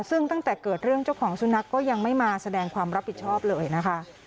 ซึ่งตั้งแต่เกิดเรื่องเจ้าของสุนัขก็ยังไม่มาแสดงความรับผิดชอบเลยนะคะ